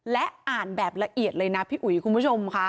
และอ่านแบบละเอียดเลยนะพี่อุ๋ยคุณผู้ชมค่ะ